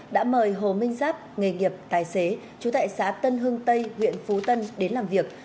đã mời hồ minh giáp nghề nghiệp tài xế chú tại xã tân hưng tây huyện phú tân đến làm việc